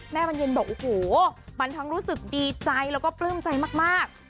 แม่บานเย็นบอกโอ้โหบรรทั้งรู้สึกดีใจแล้วก็เปิ้มใจมาก